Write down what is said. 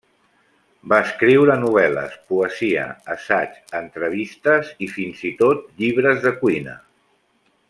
Va escriure novel·les, poesia, assaig, entrevistes i fins i tot llibres de cuina.